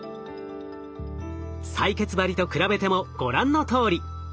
採血針と比べてもご覧のとおり。